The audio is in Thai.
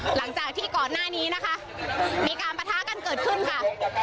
หลังจากที่ก่อนหน้านี้นะคะมีการประทะกันเกิดขึ้นค่ะ